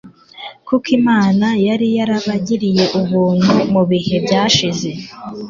Kuko Imana yari yarabaginye ubuntu mu bihe byashize,